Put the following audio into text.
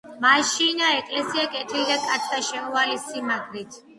მას შინა ეკლესია კეთილი და კაცთა შეუვალი სიმაგრით.